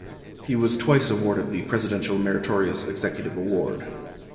He was twice awarded the Presidential Meritorious Executive Award.